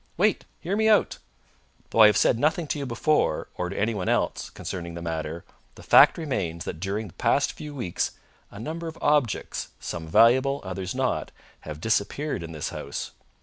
"Wait! Hear me out. Though I have said nothing to you before, or to anyone else, concerning the matter, the fact remains that during the past few weeks a number of objects some valuable, others not have disappeared in this house.